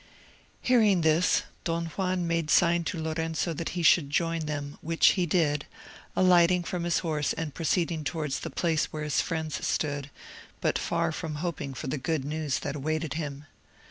Hearing this, Don Juan made sign to Lorenzo that he should join them, which he did, alighting from his horse and proceeding towards the place where his friends stood, but far from hoping for the good news that awaited him.